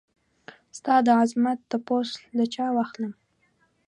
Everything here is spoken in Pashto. ستا دعظمت تپوس له چا واخلم؟